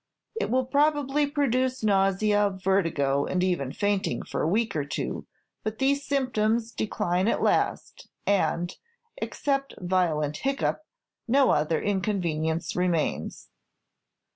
It will probably produce nausea, vertigo, and even fainting for a week or two, but these symptoms decline at last, and, except violent hiccup, no other inconvenience remains.